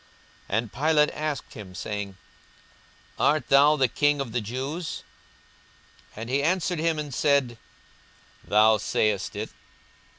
42:023:003 And Pilate asked him, saying, Art thou the King of the Jews? And he answered him and said, Thou sayest it.